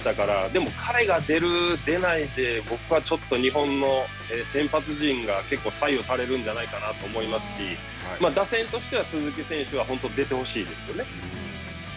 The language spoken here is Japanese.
でも、彼が出る出ないで僕はちょっと日本の先発陣が結構左右されるんじゃないかなと思いますし、打線としては鈴木選手は本当、出てほしいですよね。